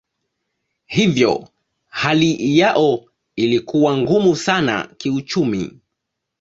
Hivyo hali yao ilikuwa ngumu sana kiuchumi.